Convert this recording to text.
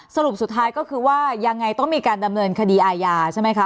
สรุปสุดท้ายก็คือว่ายังไงต้องมีการดำเนินคดีอาญาใช่ไหมคะ